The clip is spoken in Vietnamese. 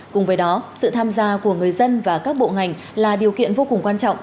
cùng với đó sự tham gia của người dân và các bộ ngành là điều kiện vô cùng quan trọng